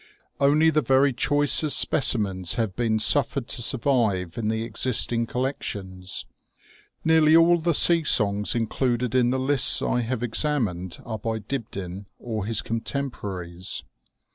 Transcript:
Only the very choicest specimens have been suffered to survive in the existing collections. Nearly all the sea songs included in the lists I have examined are by Dibdin or his contemporaries.